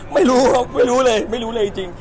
ไม่รู้ครับไม่รู้เลยไม่รู้เลยจริง